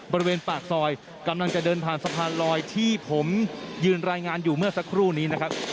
บริเวณปากซอยกำลังจะเดินผ่านสะพานลอยที่ผมยืนรายงานอยู่เมื่อสักครู่นี้นะครับ